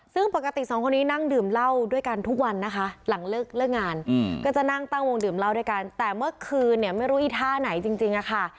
ซึ่งปกติสองคนนี้นั่งดื่มเหล้าด้วยกันทุกวันนะคะหลังเลิกงานก็จะนั่งตั้งวงดื่มเหล้าด้วยกันแต่เมื่อคืนเนี่ยไม่รู้อีท่าไหนจริงอะค่ะ